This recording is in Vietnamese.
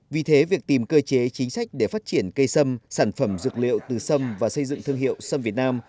vì thế việc tìm cơ chế chính sách để phát triển cây sâm sản phẩm dược liệu từ sâm và xây dựng thương hiệu sâm việt nam